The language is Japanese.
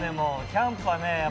キャンプはね